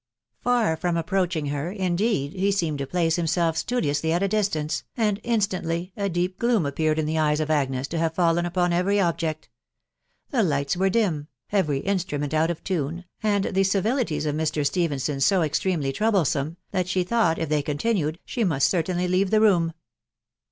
Far from approaching her, indeed, he seemed to place himself studiously at a distance, and instantly a deep gloom appeared in the eyes of Agnes to haw fallen upon every object ... The lights were dim, every instrument out of tune, and the civilities of Mr. Stephenson so extremely troublesome, that she thought, if they continued, she must certainly leave the room.